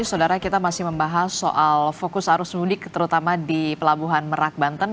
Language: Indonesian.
saudara kita masih membahas soal fokus arus mudik terutama di pelabuhan merak banten